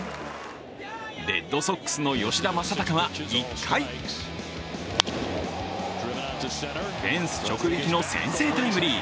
レッドソックスの吉田正尚は１回、フェンス直撃の先制タイムリー。